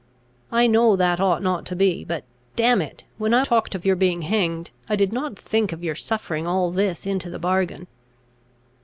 I know that ought not to be; but, damn it, when I talked of your being hanged, I did not think of your suffering all this into the bargain."